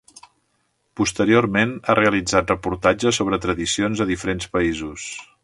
Posteriorment ha realitzat reportatges sobre tradicions a diferents països.